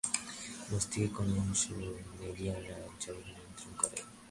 মস্তিষ্কের কোন অংশ ম্যালেরিয়া জ্বর নিয়ন্ত্রণ করে।